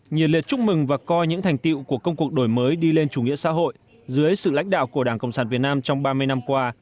nhiệt liệt chúc mừng và coi những thành tiệu của công cuộc đổi mới đi lên chủ nghĩa xã hội dưới sự lãnh đạo của đảng cộng sản việt nam trong ba mươi năm qua